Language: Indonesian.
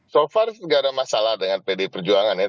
so far tidak ada masalah dengan pd perjuangan ya